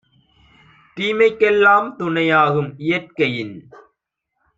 தீமைக்கெல் லாம்துணை யாகும்; இயற்கையின்